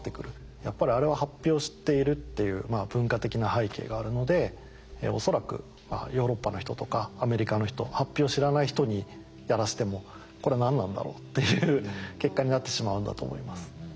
やっぱりあれははっぴを知っているっていう文化的な背景があるので恐らくヨーロッパの人とかアメリカの人はっぴを知らない人にやらしても「これは何なんだろう」っていう結果になってしまうんだと思います。